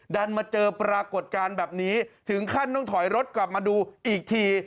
ดันมาเจอปรากฏการณ์แบบนี้ถึงขั้นต้องถอยรถกลับมาดูอีกที